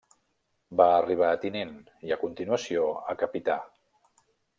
Va arribar a tinent i a continuació a capità.